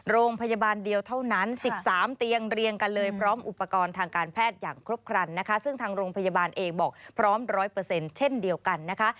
โรงพยาบาลเดียวเท่านั้น๑๓เตียงเรียงกันเลยพร้อมอุปกรณ์ทางการแพทย์อย่างครบครันนะคะซึ่งทางโรงพยาบาลเองบอกพร้อม๑๐๐เช่นเดียวกันนะคะ